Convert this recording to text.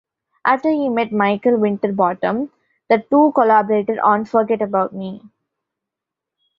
After he met Michael Winterbottom, the two collaborated on "Forget About Me".